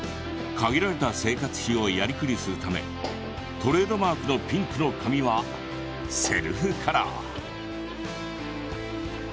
限られた生活費をやりくりするためトレードマークのピンクの髪はセルフカラー。